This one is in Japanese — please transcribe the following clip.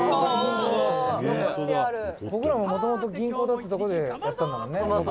「僕らももともと銀行だったとこでやったんだもんねロケ」